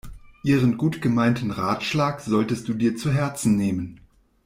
Ihren gut gemeinten Ratschlag solltest du dir zu Herzen nehmen.